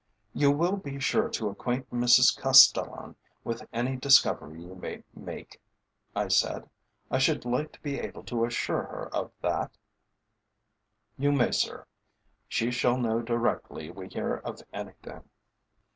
"You will be sure to acquaint Mrs Castellan with any discovery you may make?" I said. "I should like to be able to assure her of that?" "You may, sir. She shall know directly we hear of anything."